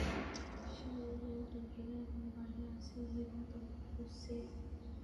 সেই একই লোকেরা এখন বাইরে আছে এবং তোমাকে খুঁজছে।